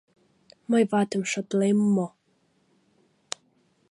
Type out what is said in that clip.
Мый ватым шотлем мо!..